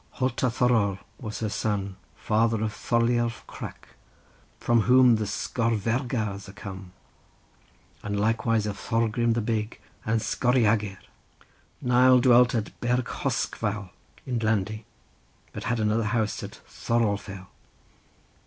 Holtathorir was her son, father of Thorleif Krak, from whom the Skogverjars are come, and likewise of Thorgrim the big and Skorargeir. Nial dwelt at Bergthorshvâl in Landey, but had another house at Thorolfell.